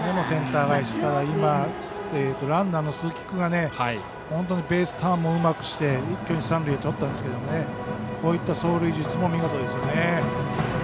センター返しでランナーの鈴木君が本当にベースターンをうまくして一挙に三塁をとったんですけどこういった走塁術も見事ですよね。